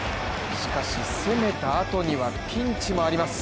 しかし攻めたた後には、ピンチもあります。